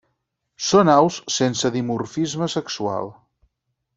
Són aus sense dimorfisme sexual.